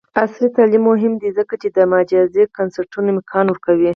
عصري تعلیم مهم دی ځکه چې د مجازی کنسرټونو امکان ورکوي.